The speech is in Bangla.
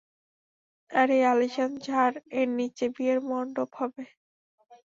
আর এই আলিশান ঝাড় এর নিচে, বিয়ের মন্ডপ হবে।